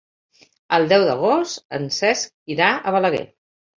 El deu d'agost en Cesc irà a Balaguer.